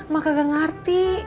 mak gak ngerti